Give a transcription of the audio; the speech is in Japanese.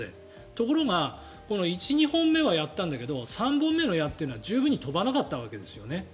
ところが１２本目はやったんだけど３本目の矢は十分に飛ばなかったんですね。